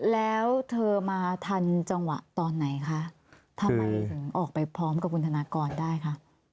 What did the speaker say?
แล้วเธอมาทันจังหวะตอนไหนคะทำไมถึงออกไปพร้อมกับคุณธนากรได้คะ